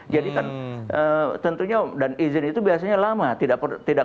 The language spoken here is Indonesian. jadi tentunya dan izin itu biasanya lama tidak kunjung datang